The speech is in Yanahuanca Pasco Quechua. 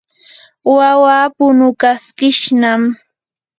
wawaa punukaskishnam.